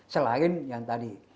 selain yang tadi